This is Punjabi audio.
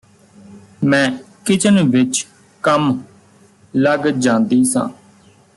ਮੈਂ ਕਿਚਨ ਵਿੱਚ ਕੰਮ ਲਗ ਜਾਂਦੀ ਸਾਂ